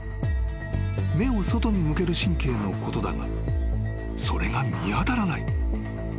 ［目を外に向ける神経のことだがそれが見当たらない］